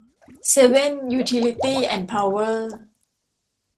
เซเว่น ยูทิลิตี้ส์ แอนด์ พาวเวอร์